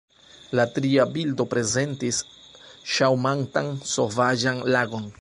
La tria bildo prezentis ŝaŭmantan, sovaĝan lagon.